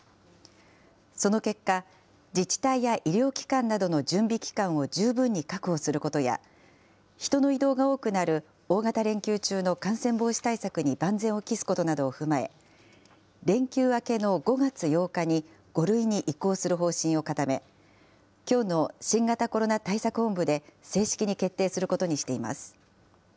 その結果、自治体や医療機関などの準備期間を十分に確保することや、人の移動が多くなる大型連休中の感染防止対策に万全を期すことなどを踏まえ、連休明けの５月８日に５類に移行する方針を固め、きょうの新型コロナ対策本部で、正式に決定することにしています。